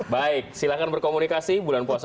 baik silahkan berkomunikasi bulan puasa